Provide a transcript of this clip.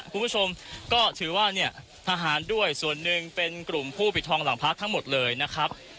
คุณผู้ชมก็ถือว่าเนี่ยทหารด้วยส่วนหนึ่งเป็นกลุ่มผู้ปิดทองหลังพักทั้งหมดเลยนะครับ